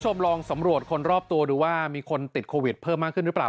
ลองสำรวจคนรอบตัวดูว่ามีคนติดโควิดเพิ่มมากขึ้นหรือเปล่า